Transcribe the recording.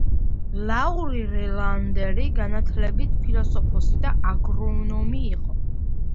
ლაური რელანდერი განათლებით ფილოსოფოსი და აგრონომი იყო.